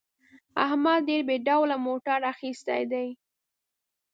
احمد ډېر بې ډوله موټر اخیستی دی.